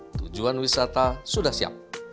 tujuan wisata sudah siap